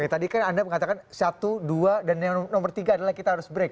tadi kan anda mengatakan satu dua dan yang nomor tiga adalah kita harus break